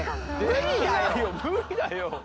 無理だよ！